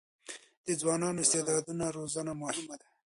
د ځوانو استعدادونو روزنه مهمه ده.